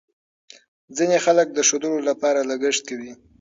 ځینې خلک د ښودلو لپاره لګښت کوي.